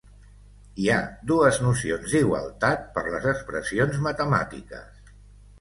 Hi ha dues nocions d'igualtat per les expressions matemàtiques.